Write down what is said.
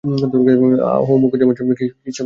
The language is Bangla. আহা মুখুজ্যেমশায়, কী সুসংবাদ শোনালে!